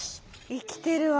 生きてるわ。